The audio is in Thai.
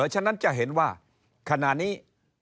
ฉะนั้นจะเห็นว่าขณะนี้